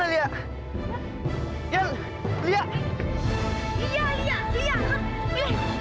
per lihat lihat lihat lihat